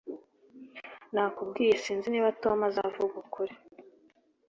Nakubwiye sinzi niba Tom azavuga ukuri